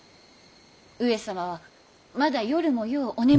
上様はまだ夜もようお眠りに。